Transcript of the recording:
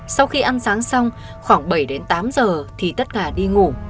sau khi ăn sáng xong khoảng bảy tám h thì tất cả đi ngủ